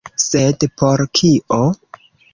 Sed por kio?